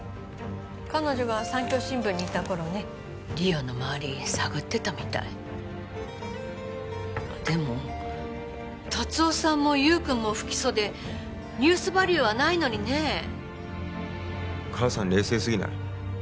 彼女が産教新聞にいた頃ね梨央の周り探ってたみたいでも達雄さんも優君も不起訴でニュースバリューはないのにね母さん冷静すぎない？